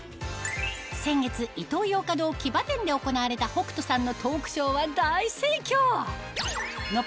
先月イトーヨーカドー木場店で行われた北斗さんのトークショーは大盛況！